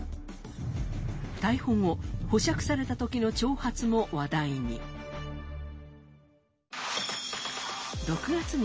逮捕後、保釈されたときの長髪も話題に。